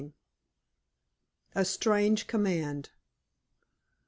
A STRANGE COMMAND.